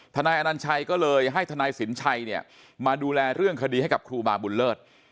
นายอนัญชัยก็เลยให้ทนายสินชัยเนี่ยมาดูแลเรื่องคดีให้กับครูบาบุญเลิศ